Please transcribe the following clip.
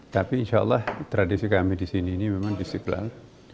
tapi insyaallah tradisi kami di sini ini memang istiqlal